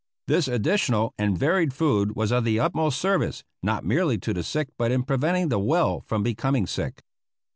This additional and varied food was of the utmost service, not merely to the sick but in preventing the well from becoming sick.